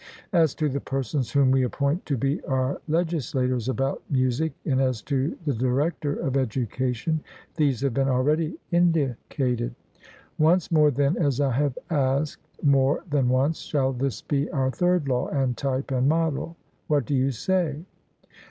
As to the persons whom we appoint to be our legislators about music and as to the director of education, these have been already indicated. Once more then, as I have asked more than once, shall this be our third law, and type, and model What do you say?